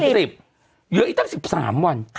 เหลืออีกตั้ง๑๓วัน